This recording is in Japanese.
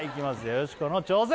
よしこの挑戦